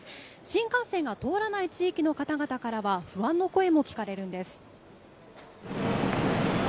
新幹線が通らない地域の方々からは、不安の声も聞かれるんです。